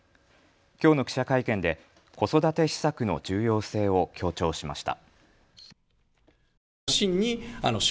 きょうの記者会見で子育て施策の重要性を強調しました。